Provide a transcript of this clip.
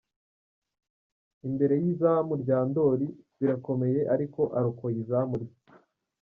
imbere y’izamu rya Ndori birakomeye ariko arokoye izamu rye.